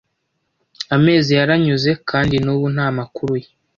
Amezi yaranyuze kandi n'ubu nta makuru ye.